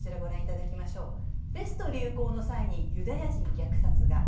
ペスト流行の際にユダヤ人虐殺が。